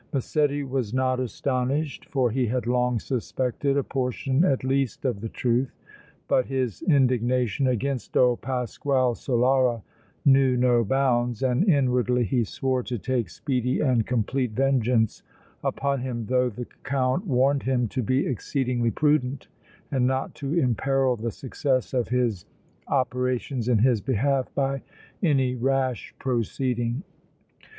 Massetti was not astonished, for he had long suspected a portion at least of the truth, but his indignation against old Pasquale Solara knew no bounds, and inwardly he swore to take speedy and complete vengeance upon him though the Count warned him to be exceedingly prudent and not to imperil the success of his operations in his behalf by any rash proceeding.